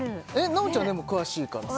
のむちゃんでも詳しいからさ